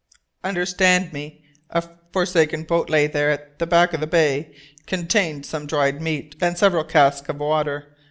"Understand me. A forsaken boat lay there, at the back of the bay, containing some dried meat and several casks of water.